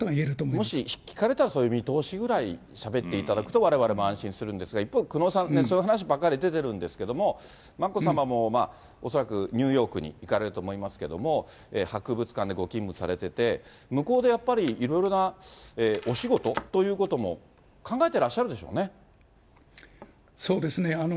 もし聞かれたら、その見通しぐらいしゃべって頂くとわれわれも安心するんですが、一方、久能さん、そういう話ばかり出てるんですけれども、眞子さまも恐らくニューヨークに行かれると思いますけれども、博物館でご勤務されてて、向こうでやっぱりいろいろなお仕事ということも考えてらっしゃるそうですね。